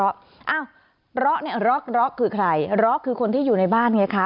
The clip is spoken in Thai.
อ้าวร็อกเนี่ยร็อกคือใครร็อกคือคนที่อยู่ในบ้านไงคะ